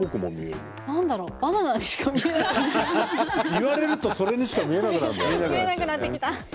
言われるとそれにしか見えなくなるんだよね。